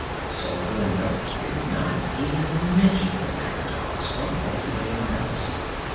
So Glinda did not even mention the matter to Ozma, or to anyone else.